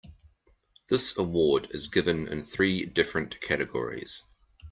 This award is given in three different categories.